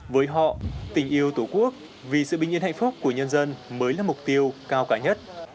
với họ tình yêu tổ quốc vì sự bình yên hạnh phúc của nhân dân mới là mục tiêu cao cả nhất